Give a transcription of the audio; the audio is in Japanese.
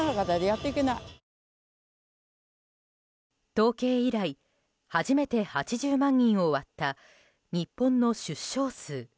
統計以来初めて８０万人を割った日本の出生数。